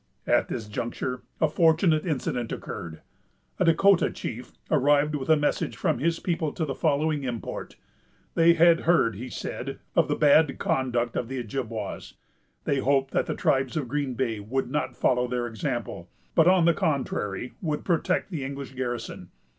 At this juncture, a fortunate incident occurred. A Dahcotah chief arrived with a message from his people to the following import: They had heard, he said, of the bad conduct of the Ojibwas. They hoped that the tribes of Green Bay would not follow their example, but, on the contrary, would protect the English garrison.